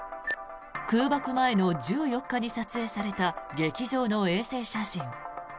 空爆前の１４日に撮影された劇場の衛星写真。